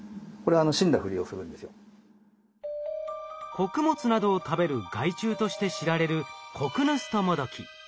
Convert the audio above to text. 穀物などを食べる害虫として知られるコクヌストモドキ。